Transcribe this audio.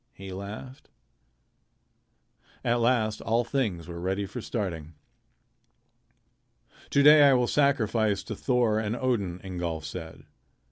he laughed. At last all things were ready for starting. "To day I will sacrifice to Thor and Odin," Ingolf said.